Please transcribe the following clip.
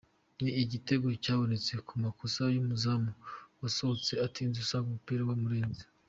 Ni igitego cyabonetse ku makosa y’umuzamu wasohotse atinze asanga umupira wamurenze.